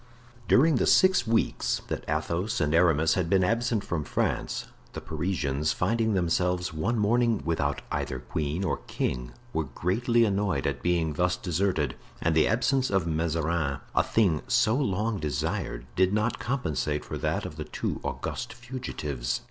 During the six weeks that Athos and Aramis had been absent from France, the Parisians, finding themselves one morning without either queen or king, were greatly annoyed at being thus deserted, and the absence of Mazarin, a thing so long desired, did not compensate for that of the two august fugitives.